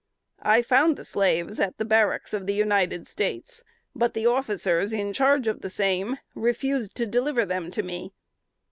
I found the slaves at the barracks of the United States, but the officers in charge of the same refused to deliver them to me.